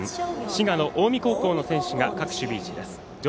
滋賀の近江高校の選手が各守備位置です。